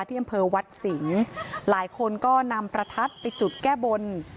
ที่อำเภอวัดสิงห์หลายคนก็นำประทัดไปจุดแก้บน